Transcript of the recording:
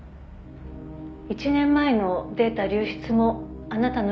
「１年前のデータ流出もあなたの仕業ね」